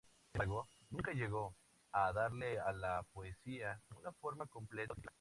Sin embargo, nunca llegó a darle a la poesía una forma completa o definitiva.